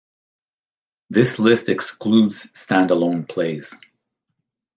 This list excludes standalone plays.